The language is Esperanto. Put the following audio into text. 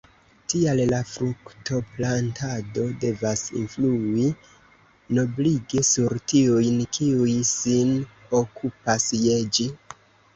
Tial la fruktoplantado devas influi noblige sur tiujn, kiuj sin okupas je ĝi.